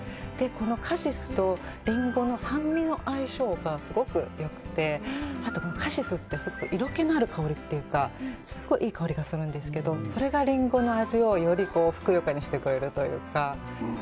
カシスとリンゴの酸味の相性がすごく良くて、あとカシスってすごく色気のある香りというかすごくいい香りがするんですけどそれがリンゴの味をよりふくよかにしてくれているというか。